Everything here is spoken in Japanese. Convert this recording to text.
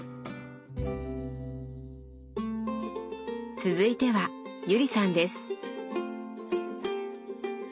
続いては友里さんです。